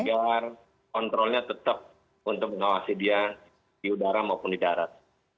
agar kontrolnya tetap untuk mengawasi dia di udara maupun di darat